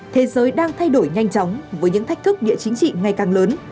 thế giới đang thay đổi nhanh chóng với những thách thức địa chính trị ngày càng lớn